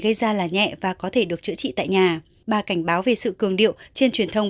gây ra là nhẹ và có thể được chữa trị tại nhà bà cảnh báo về sự cường điệu trên truyền thông